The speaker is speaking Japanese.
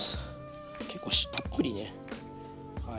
結構たっぷりねはい。